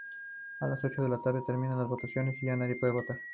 A las ocho de la tarde terminan las votaciones y ya nadie puede votar.